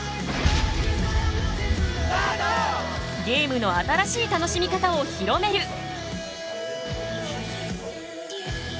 ゲームの新しい楽しみ方を広める！